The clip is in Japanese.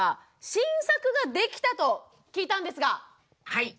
はい。